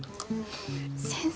先生